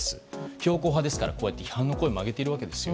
強硬派ですから、こうやって批判の声も上げているわけです。